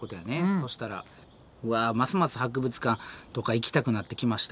うわますます博物館とか行きたくなってきました。